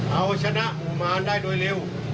เอาชนะมุมมารได้โดยริว